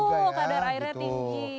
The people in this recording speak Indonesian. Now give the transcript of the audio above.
betul kadar airnya tinggi